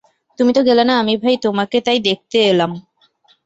তুমি তো গেলে না, আমি ভাই তোমাকে তাই দেখতে এলাম।